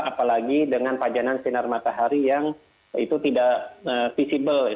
apalagi dengan pajanan sinar matahari yang itu tidak visible